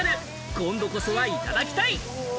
今度こそは、いただきたい。